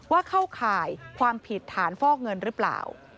เข้าข่ายความผิดฐานฟอกเงินหรือเปล่า